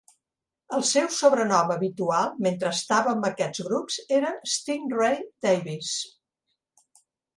El seu sobrenom habitual mentre estava amb aquests grups era "Sting Ray" Davis.